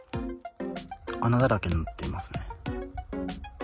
穴だらけになっています。